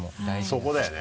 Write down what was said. そこだよね。